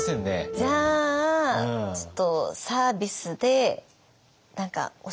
じゃあちょっとサービスで何かおしんことか。